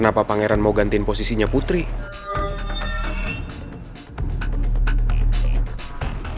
jelas dua udah ada bukti lo masih gak mau ngaku